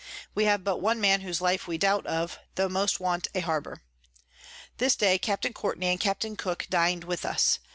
We have but one Man whose Life we doubt of, tho most want a Harbour. This day Capt. Courtney and Capt. Cook din'd with us.